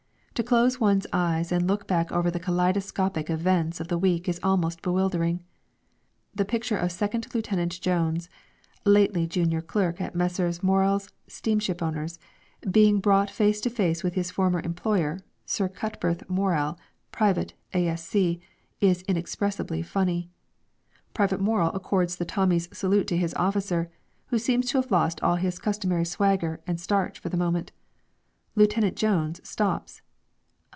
To close one's eyes and look back over the kaleidoscopic events of the week is almost bewildering. The picture of Second Lieutenant Jones, lately junior clerk at Messrs. Morells, steamship owners, being brought face to face with his former employer, Sir Cuthbert Morell, private, A.S.C., is inexpressibly funny. Private Morell accords the Tommy's salute to his officer, who seems to have lost all his customary swagger and starch for the moment. Lieutenant Jones stops.